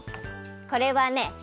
これはね